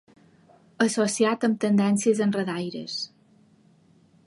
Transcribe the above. Associat amb tendències enredaires.